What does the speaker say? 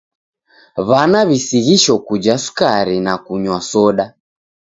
W'ana w'isighisho kuja sukari na kunywa na soda.